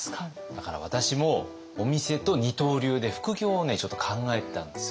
だから私もお店と二刀流で副業をねちょっと考えてたんですよね。